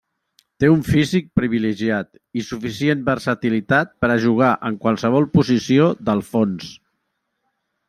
Té un físic privilegiat i suficient versatilitat per a jugar en qualsevol posició del fons.